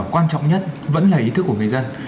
quan trọng nhất vẫn là ý thức của người dân